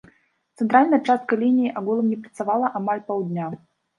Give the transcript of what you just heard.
Цэнтральная частка лініі агулам не працавала амаль паўдня.